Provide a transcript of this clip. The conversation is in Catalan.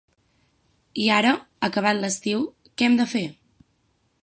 I ara, acabat l’estiu, què hem de fer?